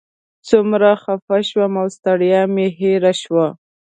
څومره خفه شوم او ستړیا مې هېره شوه.